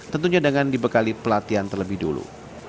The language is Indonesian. tentunya dengan dibekali pelatihan terlebih dulu